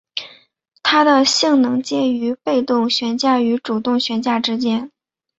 它的性能介于被动悬架与主动悬架之间。